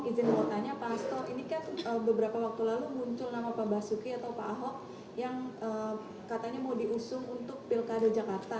izin mau tanya pak hasto ini kan beberapa waktu lalu muncul nama pak basuki atau pak ahok yang katanya mau diusung untuk pilkada jakarta